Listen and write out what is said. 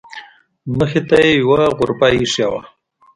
مخې ته یې یوه غرفه ایښې وه.